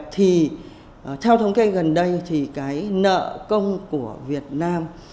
thì theo thống kê gần đây thì cái nợ công của việt nam